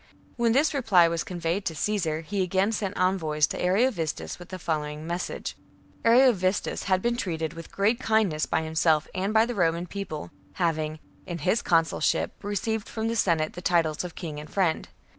35. When this reply was conveyed to Caesar, ^^tum^"^^*' he again sent envoys to Ariovistus with the following message :— Ariovistus had been treated with great kindness by himself and by the Roman People, having, in his consulship, received from the Senate the titles of King and Friend.